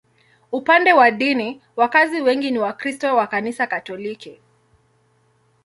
Upande wa dini, wakazi wengi ni Wakristo wa Kanisa Katoliki.